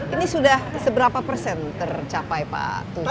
ini sudah seberapa persen tercapai pak tulus